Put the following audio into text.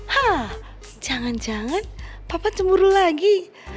hah jangan jangan papa cemburu lagi